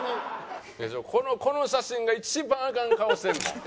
この写真が一番アカン顔してるもん。